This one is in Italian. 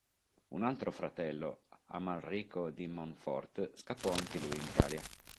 Un altro fratello Amalrico di Montfort scappò anche lui in Italia.